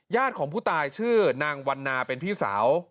ของผู้ตายชื่อนางวันนาเป็นพี่สาว